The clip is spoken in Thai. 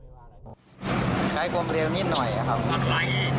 ใช้ความเร็วนิดหน่อยครับ